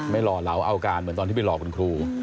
หล่อเหลาเอาการเหมือนตอนที่ไปหลอกคุณครู